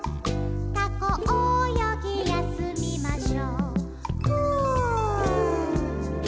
「タコおよぎやすみましょうフ」